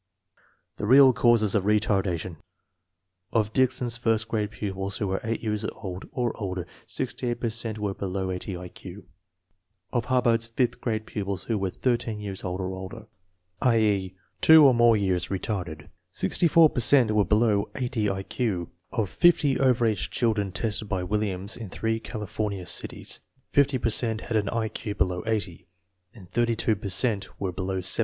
The real cause of retardation. Of Dickson's first grade pupils who were eight years old or older, 68 per cent were below 80 I Q. Of Hubbard's fifth grade pupils who were thirteen years old or older (i.e., two or more years retarded) 64 per cent were below 80 I Q. Of 50 over age children tested by Williams in three California cities, 50 per cent had an I Q below 80, and 38 per cent were below 75.